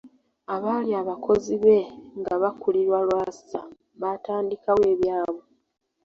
Abaali abakozi be nga bakulirwa Lwasa batandikawo ebyabwe